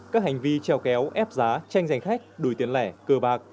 các hành vi treo kéo ép giá tranh giành khách đổi tiền lẻ cờ bạc